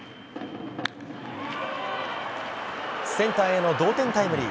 センターへの同点タイムリー。